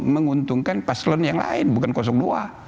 menguntungkan paslon yang lain bukan kosong luar